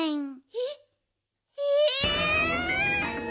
えっええ！